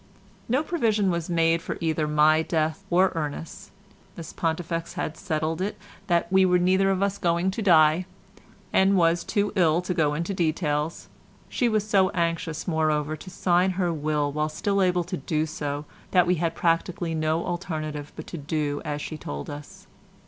No provision was made for either my death or Ernest's—Miss Pontifex had settled it that we were neither of us going to die, and was too ill to go into details; she was so anxious, moreover, to sign her will while still able to do so that we had practically no alternative but to do as she told us.